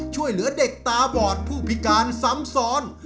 ช่วยเหลือเด็กตาบอดผู้พิการซ้ำซ้อน